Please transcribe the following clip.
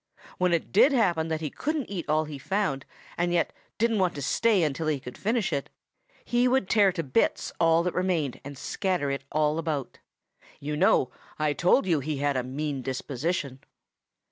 When it did happen that he couldn't eat all he found and yet didn't want to stay until he could finish it, he would tear to bits all that remained and scatter it all about. You know I told you he had a mean disposition.